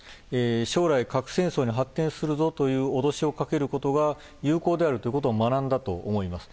将来、核戦争に発展するぞという脅しをかけることが有効であるということを学んだと思います。